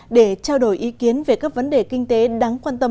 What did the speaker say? để trao đổi ý kiến về các vấn đề kinh tế đáng quan tâm